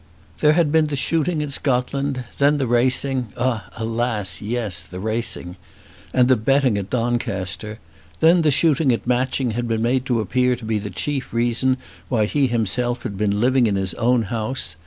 There had been the shooting in Scotland; then the racing, ah, alas! yes, the racing, and the betting at Doncaster! Then the shooting at Matching had been made to appear to be the chief reason why he himself had been living in his own house!